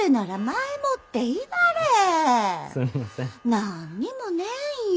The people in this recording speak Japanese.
何にもねえんよ。